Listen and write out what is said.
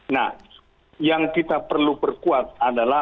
nah yang kita perlu perkuat adalah